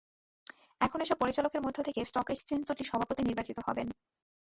এখন এসব পরিচালকের মধ্য থেকে স্টক এক্সচেঞ্জ দুটির সভাপতি নির্বাচিত হবেন।